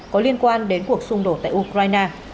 có liên quan đến cuộc xung đột tại ukraine